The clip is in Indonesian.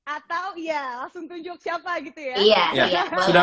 atau ya langsung tunjuk siapa gitu ya